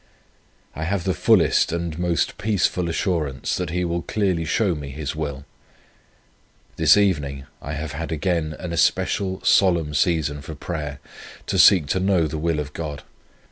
I have the fullest and most peaceful assurance, that He will clearly show me His will. This evening I have had again an especial solemn season for prayer, to seek to know the will of God.